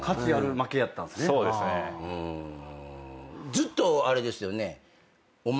ずっとあれですよね。